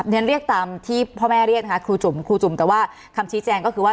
เรียนเรียกตามที่พ่อแม่เรียกค่ะครูจุ่มครูจุ่มแต่ว่าคำชี้แจงก็คือว่า